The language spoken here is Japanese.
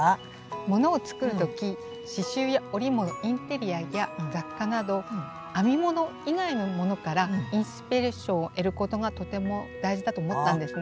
ものを作るとき刺しゅうや織物インテリアや雑貨など編み物以外のものからインスピレーションを得ることがとても大事だと思ったんですね。